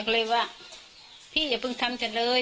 ก็เลยว่าพี่อย่าเพิ่งทำฉันเลย